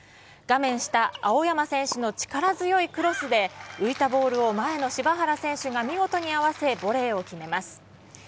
画面下、青山選手の力強いクロスで、浮いたボールを前の柴原選手が見事に合わせ、ボレーを決めます。